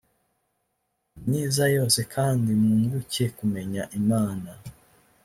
myiza yose kandi mwunguke kumenya imana